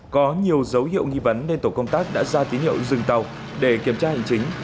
có nhiều dấu hiệu nghi vấn nên tổ công tác đã ra tín hiệu dừng tàu để kiểm tra hành chính